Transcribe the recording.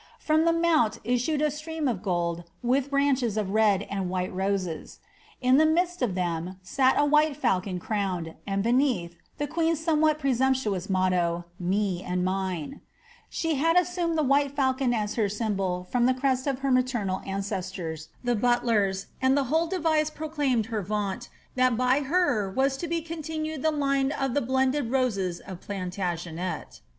From the mount issued a stem of gold with branches vhite roses ; in the midst of them sat a white falcon crowned, I, the queen's somewhat presumptuous motto, ^Ole and he had assumed the white falcon as her symbol from the ' maternal ancestors, the Butlers, and the whole device pro vaunt, that by her was to be continued the line of the blended mtagenet.